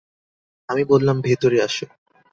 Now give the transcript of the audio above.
আমি বললাম, ভেতরে আসো।